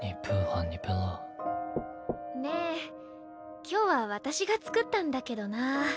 ・コンコン・ねえ今日は私が作ったんだけどな。